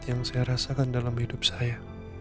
yang saya rasakan dalam hidup saya